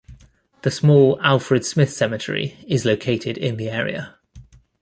The small Alfred Smith Cemetery is located in the area.